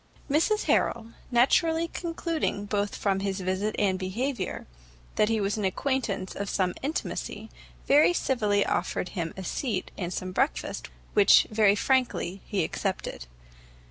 Mrs Harrel, naturally concluding both from his visit and behaviour, that he was an acquaintance of some intimacy, very civilly offered him a seat and some breakfast, which, very frankly, he accepted.